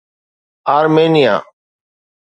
Armenia